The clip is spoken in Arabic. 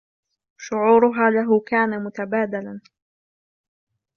شعورها له كان متبادلاً.